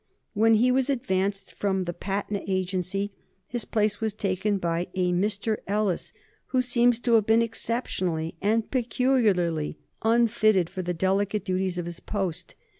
When he was advanced from the Patna agency, his place was taken by a Mr. Ellis, who seems to have been exceptionally and peculiarly unfitted for the delicate duties of his post.